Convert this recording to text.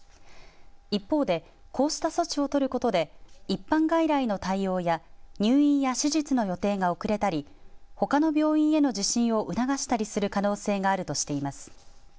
一方でこうした措置を取ることで一般外来の対応や入院や手術の予定が遅れたりほかの病院への受診を促したりする可能性があるとしています。